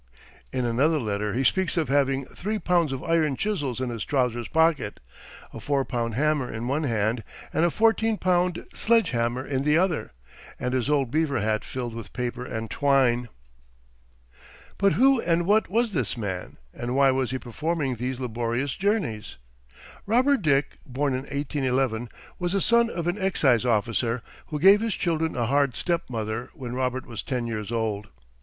In another letter he speaks of having "three pounds of iron chisels in his trousers pocket, a four pound hammer in one hand and a fourteen pound sledge hammer in the other, and his old beaver hat filled with paper and twine." But who and what was this man, and why was he performing these laborious journeys? Robert Dick, born in 1811, was the son of an excise officer, who gave his children a hard stepmother when Robert was ten years old.